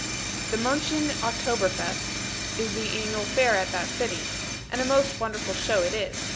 The Muenchen October Fest, is the annual fair at that city, and a most wonderful show it is.